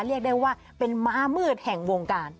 เรียกได้ว่าเป็นม้ามืดแห่งวงการ